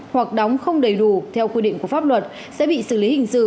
hoặc đóng không đầy đủ theo quy định của pháp luật sẽ bị xử lý hình sự